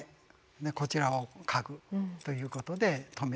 こちらを家具ということで留めて。